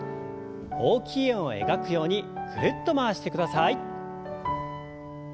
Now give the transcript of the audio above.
大きい円を描くようにぐるっと回してください。